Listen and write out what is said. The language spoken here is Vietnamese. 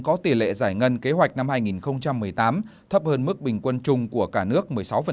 có tỷ lệ giải ngân kế hoạch năm hai nghìn một mươi tám thấp hơn mức bình quân chung của cả nước một mươi sáu